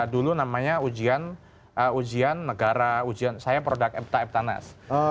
dulu namanya ujian negara ujian saya produk epta eptanas